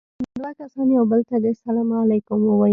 دوه کسان يو بل ته دې سلام عليکم ووايي.